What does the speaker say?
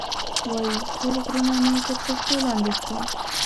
وایي، ټول غرونه مې تر پښو لاندې کړي.